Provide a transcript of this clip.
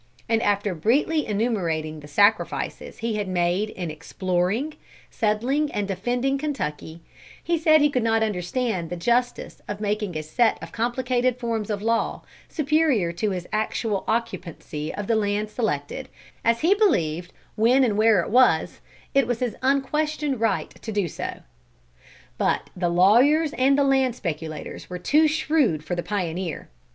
And after briefly enumerating the sacrifices he had made in exploring, settling and defending Kentucky, he said he could not understand the justice of making a set of complicated forms of law, superior to his actual occupancy of the land selected, as he believed when and where it was, it was his unquestioned right to do so. But the lawyers and the land speculators were too shrewd for the pioneer.